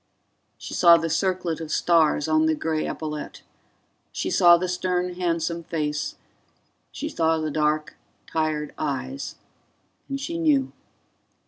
She saw the circlet of stars on the gray epaulet; she saw the stern handsome face; she saw the dark tired eyes. And she knew.